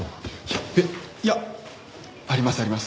やっべえ！いやありますあります。